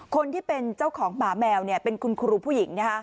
คนที่เป็นเจ้าของหมาแมวเนี่ยเป็นคุณครูผู้หญิงนะครับ